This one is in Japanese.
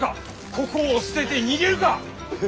ここを捨てて逃げるか。